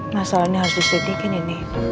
masalah ini harus diselidikin ini